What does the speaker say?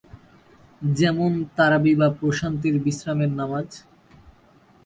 যেমন তারাবি বা প্রশান্তির বিশ্রামের নামাজ।